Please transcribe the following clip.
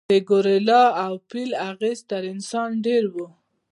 د ګورېلا او فیل اغېز تر انسان ډېر و.